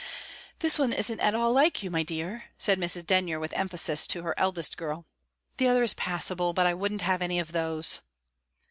"This one isn't at all like you, my dear," said Mrs. Denyer, with emphasis, to her eldest girl. "The other is passable, but I wouldn't have any of these."